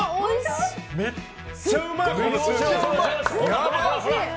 めっちゃうまい！